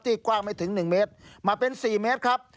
กว้างไม่ถึง๑เมตรมาเป็น๔เมตรครับ